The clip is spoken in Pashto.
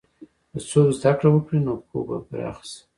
که څوک زده کړه وکړي، نو پوهه به پراخه شي.